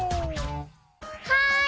はい！